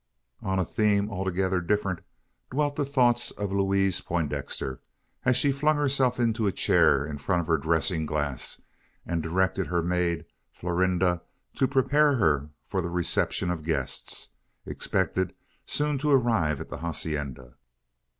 On a theme altogether different dwelt the thoughts of Louise Poindexter, as she flung herself into a chair in front of her dressing glass, and directed her maid Florinda to prepare her for the reception of guests expected soon to arrive at the hacienda.